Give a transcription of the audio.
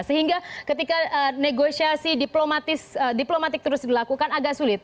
sehingga ketika negosiasi diplomatik terus dilakukan agak sulit